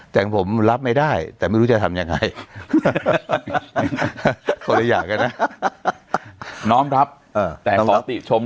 แต่ของผมรับไม่ได้แต่ไม่รู้จะทำยังไง